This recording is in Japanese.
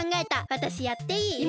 わたしやっていい？